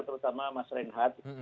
terutama mas reinhardt